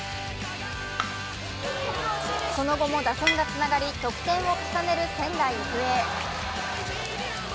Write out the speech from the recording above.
その後も打線がつながり得点を重ねる仙台育英。